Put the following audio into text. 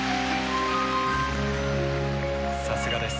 さすがです。